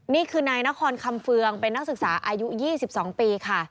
นี่คือนายนครคำเฟืองเป็นนักศึกษาอายุ๒๒ปีค่ะ